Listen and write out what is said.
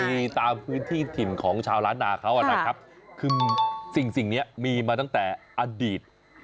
มีตามพื้นที่ถิ่นของชาวล้านนาเขานะครับคือสิ่งนี้มีมาตั้งแต่อดีต